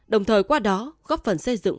đồng thời qua đó góp phần xây dựng